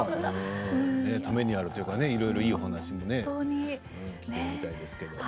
ためになるというかねいろいろいいお話もね聞いてみたいですけど。